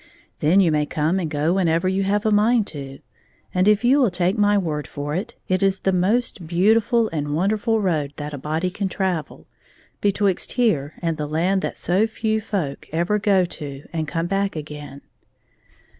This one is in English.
Then you may come and go whenever you have a mind to, and if you will take my word for it, it is the most beau tiful and wonderful road that a body can travel betwixt here and the land that so few folk ever go to and come baxik a^gain.